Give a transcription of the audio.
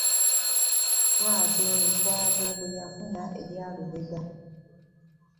Bw’atyo Lukonge bwe yafuna erya Lubega.